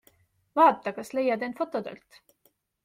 Vaata, kas leiad end fotodelt!